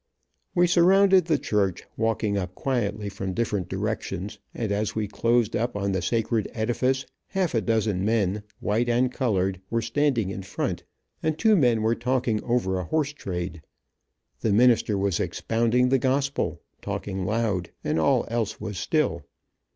We surrounded the church, walking up quietly from different directions, and as we closed up on the sacred edifice half a dozen men, white and colored, were standing in front, and two men were talking over a horse trade. The minister was expounding the gospel, talking loud, and all else was still.